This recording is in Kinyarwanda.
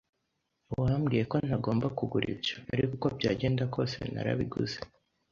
Wambwiye ko ntagomba kugura ibyo, ariko uko byagenda kose narabiguze.